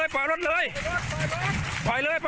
ปล่อยรถเลย